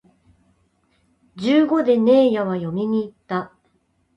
十五でねえやは嫁に行った